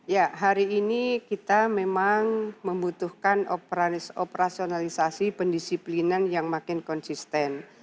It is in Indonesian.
ya hari ini kita memang membutuhkan operasionalisasi pendisiplinan yang makin konsisten